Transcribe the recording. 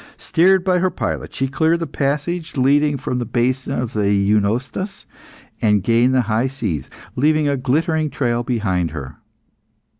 Steered by her pilot, she cleared the passage leading from the basin of the Eunostos, and gained the high seas, leaving a glittering trail behind her.